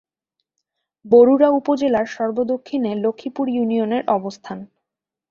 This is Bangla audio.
বরুড়া উপজেলার সর্ব-দক্ষিণে লক্ষ্মীপুর ইউনিয়নের অবস্থান।